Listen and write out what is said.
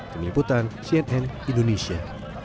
kemiliputan cnn indonesia